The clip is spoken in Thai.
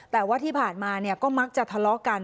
แต่ว่าที่ผ่านมาก็มักจะทะเลาะกัน